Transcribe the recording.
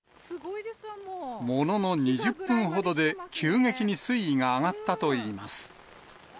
ものの２０分ほどで、急激に水位が上がったといいます。